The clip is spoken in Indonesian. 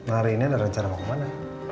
hari ini ada rencana mau kemana